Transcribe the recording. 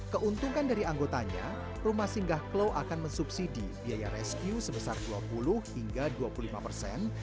keuntungan dari anggotanya rumah singgah klo akan mensubsidi biaya rescue sebesar dua puluh hingga dua puluh lima persen